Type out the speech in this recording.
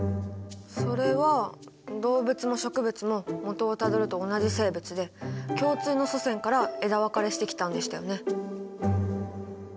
それは動物も植物ももとをたどると同じ生物で共通の祖先から枝分かれしてきたんでしたよね？